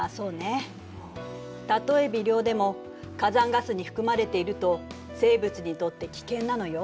たとえ微量でも火山ガスに含まれていると生物にとって危険なのよ。